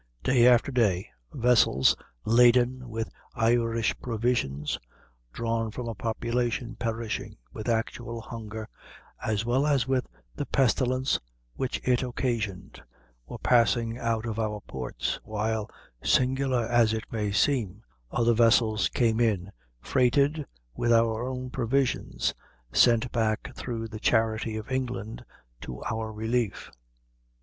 Day after day, vessels laden with Irish provisions, drawn from a population perishing with actual hunger, as well as with the pestilence which it occasioned, were passing out of our ports, while, singular as it may seem, other vessels came in freighted with our own provisions, sent back through the charity of England to our relief.